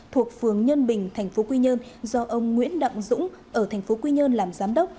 thuộc phường nhân bình tp quy nhơn do ông nguyễn đặng dũng ở tp quy nhơn làm giám đốc